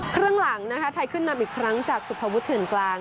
เครื่องหลังไทยขึ้นนำอีกครั้งจากสุภวุธถือนกลาง